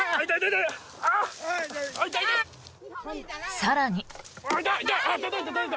更に。